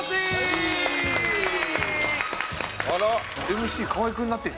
ＭＣ河合君になってる。